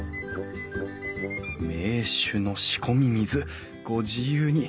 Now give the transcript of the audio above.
「銘酒の仕込み水御自由に」。